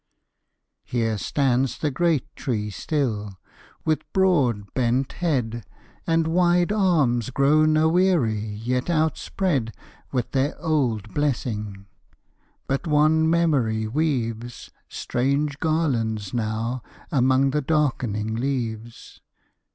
Here stands the great tree still, with broad, bent head, And wide arms grown aweary, yet outspread With their old blessing. But wan memory weaves Strange garlands now amongst the darkening leaves.